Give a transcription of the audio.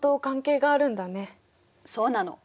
そうなの。